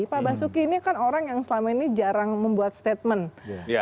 pak basuki ini kan orang yang selama ini jarang membuat statement